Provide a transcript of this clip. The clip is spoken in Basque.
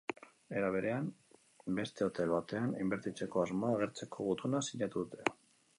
Era berean, beste hotel batean inbertitzeko asmoa agertzeko gutuna sinatu dute.